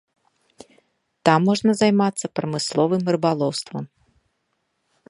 Там можна займацца прамысловым рыбалоўствам.